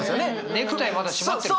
ネクタイまだ締まってるし。